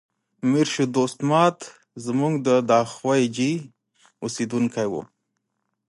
میر شو دوست ماد زموږ د ده خواجې اوسیدونکی و.